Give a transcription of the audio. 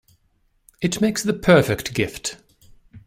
It makes the perfect gift.